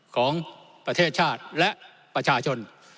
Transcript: ของประเทศชาติและประชาชน